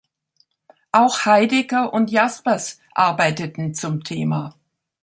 Auch Heidegger und Jaspers arbeiteten zum Thema.